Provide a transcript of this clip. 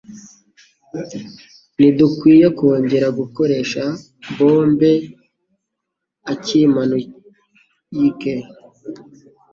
Ntidukwiye kongera gukoresha bombe aakimanaike.